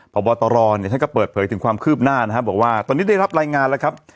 พบตรเนี่ยท่านก็เปิดเผยถึงความคืบหน้านะครับบอกว่าตอนนี้ได้รับรายงานแล้วครับ